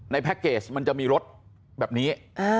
แพ็คเกจมันจะมีรถแบบนี้